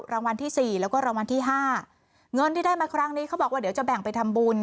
รางวัลที่สี่แล้วก็รางวัลที่ห้าเงินที่ได้มาครั้งนี้เขาบอกว่าเดี๋ยวจะแบ่งไปทำบุญ